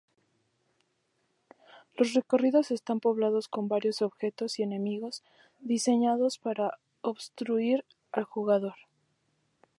Los recorridos están poblados con varios objetos y enemigos diseñados para obstruir al jugador.